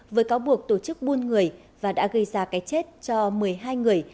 với cáo buộc tổ chức buôn người và đã gây ra cái chết cho một mươi hai người